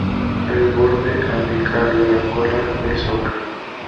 El borde apical de la cola es ocre.